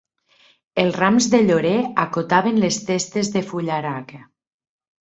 Els rams de llorer acotaven les testes de fullaraca